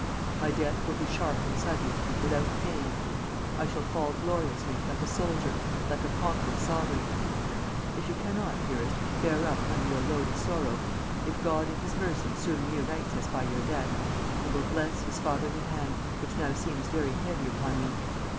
My death will be sharp and sudden, without pain. I shall fall gloriously, like a soldier, like a conquered sovereign.... If you cannot, dearest, bear up under your load of sorrow, if God in His mercy soon reunites us by your death, I will bless His fatherly hand, which now seems very heavy upon me.